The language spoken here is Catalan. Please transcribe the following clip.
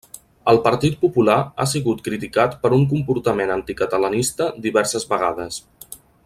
El Partit Popular ha sigut criticat per un comportament anticatalanista diverses vegades.